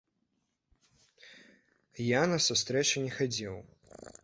Я на сустрэчы не хадзіў.